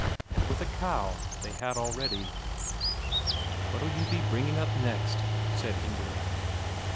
And with a cow they had already.... "What'll you be bringing up next?" said Inger.